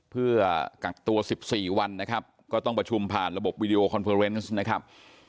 เพื่อกักตัว๑๔วันนะครับก็ต้องประชุมผ่านระบบวิดีโอคอนเฟอร์เนสนะครับ